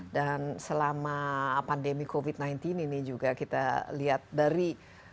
dan selama pandemi covid sembilan belas ini juga kita lihat dari